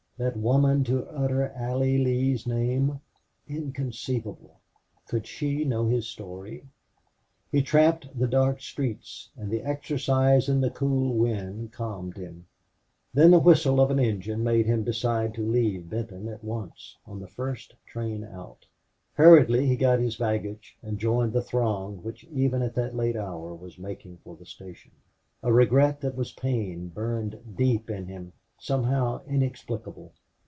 That woman to utter Allie Lee's name! Inconceivable! Could she know his story? He tramped the dark streets, and the exercise and the cool wind calmed him. Then the whistle of an engine made him decide to leave Benton at once, on the first train out. Hurriedly he got his baggage and joined the throng which even at that late hour was making for the station. A regret that was pain burned deep in him somehow inexplicable.